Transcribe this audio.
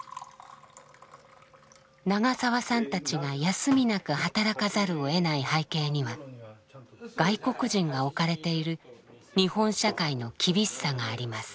長澤さんたちが休みなく働かざるをえない背景には外国人が置かれている日本社会の厳しさがあります。